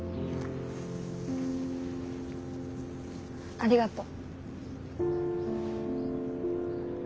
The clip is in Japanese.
ありがとう。